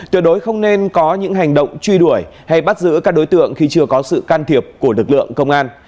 tuyệt đối không nên có những hành động truy đuổi hay bắt giữ các đối tượng khi chưa có sự can thiệp của lực lượng công an